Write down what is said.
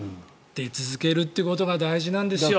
出続けるってことが大事なんですよ、全て。